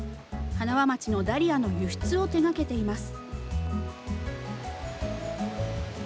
塙町のダリアの輸出を手がけています。